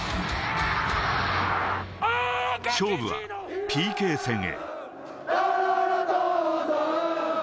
勝負はＰＫ戦へ。